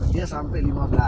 dia sampai lima belas